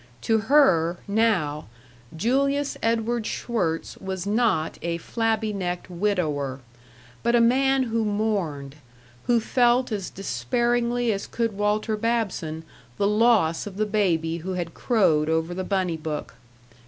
To her, now, Julius Edward Schwirtz was not a flabby necked widower, but a man who mourned, who felt as despairingly as could Walter Babson the loss of the baby who had crowed over the bunny book.